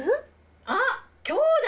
あっ今日だ！